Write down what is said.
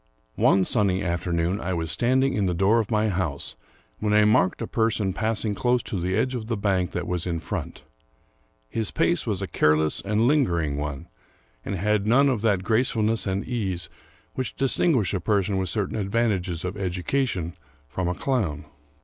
(^NE sunny afternoon I was standing in the door of my house, when I marked a person passing close to the edge of the bank that was in front. His pace was a care less and lingering one, and had none of that gracefulness and ease which distinguish a person with certain advantages of education from a clown.